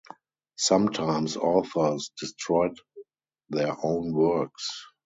Sometimes authors destroyed their own works.